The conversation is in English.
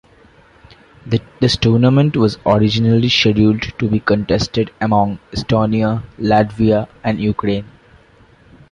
This tournament was originally scheduled to be contested among Estonia, Latvia and Ukraine.